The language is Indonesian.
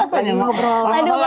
kenapa di ngobrol